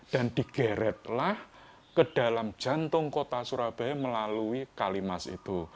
dan digeretlah ke dalam jantung kota surabaya melalui kalimas itu